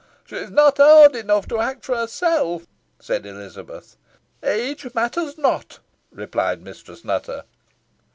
"She is not owd enough to act for herself," said Elizabeth. "Age matters not," replied Mistress Nutter.